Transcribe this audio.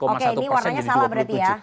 oke ini warnanya salah berarti ya